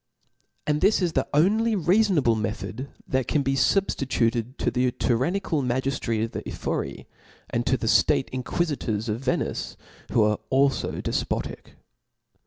And this is the only reafonable method that can be fubftituted to the tyrannical magiftracy of the Epbcrij and tp the Jiaie inquifiim of Venice, who are alfo defpoticaL Vol.